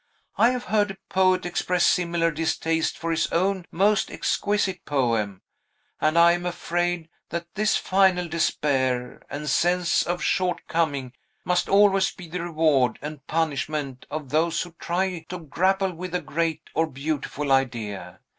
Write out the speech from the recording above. I have heard a poet express similar distaste for his own most exquisite poem, and I am afraid that this final despair, and sense of short coming, must always be the reward and punishment of those who try to grapple with a great or beautiful idea.